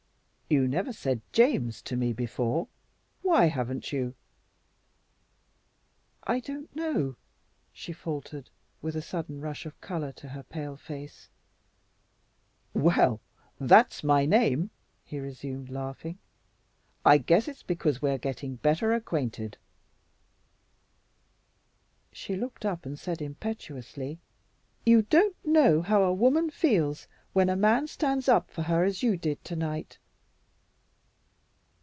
You never said 'James' to me before. Why haven't you?" "I don't know," she faltered, with a sudden rush of color to her pale face. "Well, that's my name," he resumed, laughing. "I guess it's because we are getting better acquainted." She looked up and said impetuously, "You don't know how a woman feels when a man stands up for her as you did tonight."